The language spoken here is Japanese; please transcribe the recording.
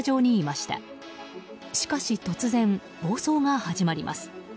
しかし突然、暴走が始まります。